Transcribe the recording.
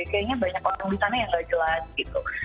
kayaknya banyak orang misalnya yang enggak jelas gitu